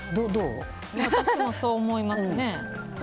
私もそう思います。